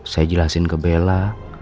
saya jelasin ke bella